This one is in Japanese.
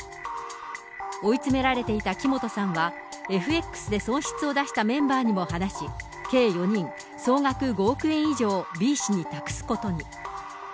追い詰められていた木本さんは、ＦＸで損失を出したメンバーにも話し、計４人、総額５億円以上、Ｂ氏に託すことに。